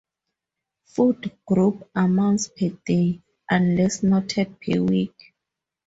Food group amounts per day, unless noted per week.